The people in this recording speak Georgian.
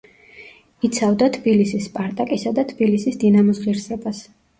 იცავდა თბილისის „სპარტაკისა“ და თბილისის „დინამოს“ ღირსებას.